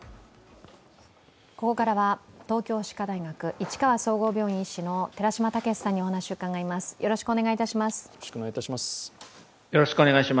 ここからは東京歯科大学市川総合病院医師の寺嶋毅さんにお話を伺います。